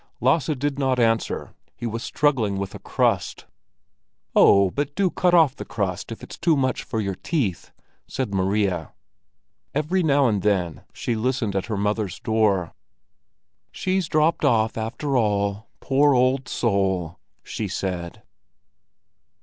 Lasse did not answer; he was struggling with a crust. "Oh, but do cut off the crust if it's too much for your teeth!" said Maria. Every now and then she listened at her mother's door. "She's dropped off, after all, poor old soul!" she said.